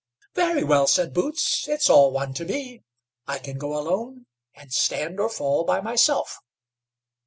"Very well," said Boots, "it's all one to me. I can go alone, and stand or fall by myself."